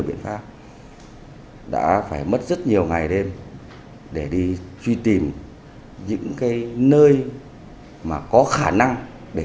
kết hợp hiệu quả trong quá trình điều tra khám phá vụ ảnh